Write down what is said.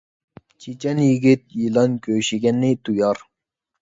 چېچەن يىگىت يىلان كۆشىگەننى تۇيار